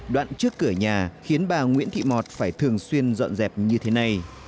đoạn trước cửa nhà khiến bà nguyễn thị mọt phải thường xuyên dọn dẹp như thế này